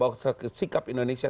bahwa sikap indonesia